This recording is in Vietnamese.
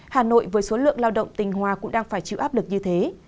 hà nội với số lượng lao động tình hòa cũng đang phải chịu áp lực như thế